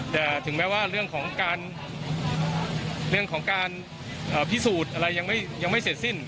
แต่ถึงแม้ว่าเรื่องของการพิสูจน์อะไรยังไม่เสร็จสิ้น